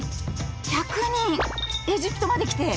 １００人エジプトまで来て。